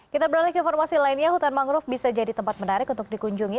kita beralih ke informasi lainnya hutan mangrove bisa jadi tempat menarik untuk dikunjungi